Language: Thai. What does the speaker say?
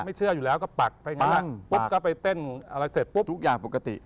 ไม่เชื่ออยู่แล้วก็ปักทุกอย่างปกติ